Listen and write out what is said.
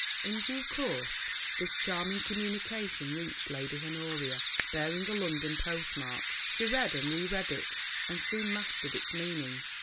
In due course this charming communication reached Lady Honoria, bearing a London post mark. She read and re read it, and soon mastered its meaning.